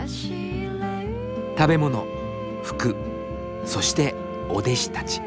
食べ物服そしてお弟子たち。